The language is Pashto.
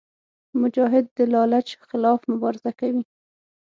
مجاهد د لالچ خلاف مبارزه کوي.